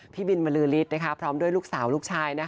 พี่บินบรือฤทธิ์พร้อมด้วยลูกสาวลูกชาย